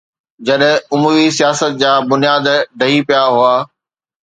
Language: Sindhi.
جڏهن اموي سياست جا بنياد ڊهي پيا هئا